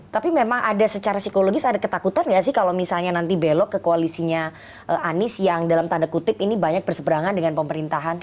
tapi memang ada secara psikologis ada ketakutan nggak sih kalau misalnya nanti belok ke koalisinya anies yang dalam tanda kutip ini banyak berseberangan dengan pemerintahan